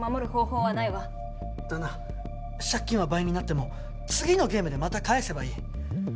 借金は倍になっても次のゲームでまた返せばいい。